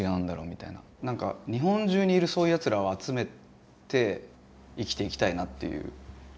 なんか日本中にいるそういうやつらを集めて生きていきたいなっていう。